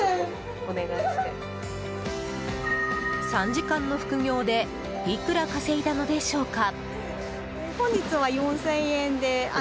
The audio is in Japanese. ３時間の副業でいくら稼いだのでしょうか？